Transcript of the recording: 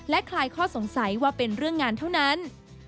คลายข้อสงสัยว่าเป็นเรื่องงานเท่านั้น